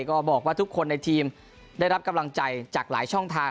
ก็บอกว่าทุกคนในทีมได้รับกำลังใจจากหลายช่องทาง